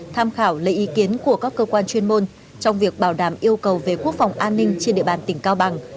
tham khảo lấy ý kiến của các cơ quan chuyên môn trong việc bảo đảm yêu cầu về quốc phòng an ninh trên địa bàn tỉnh cao bằng